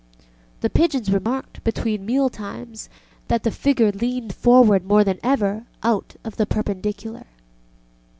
The pigeons remarked, between mealtimes, that the figure leaned forward more than ever out of the perpendicular.